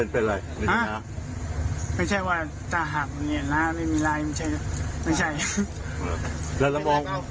ถามอย่างตอบอย่าง